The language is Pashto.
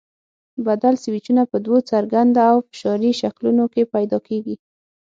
بدل سویچونه په دوو ګرځنده او فشاري شکلونو کې پیدا کېږي.